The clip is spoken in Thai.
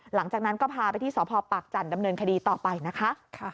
หลังจากนั้นก็พาไปที่สพปากจันทร์ดำเนินคดีต่อไปนะคะ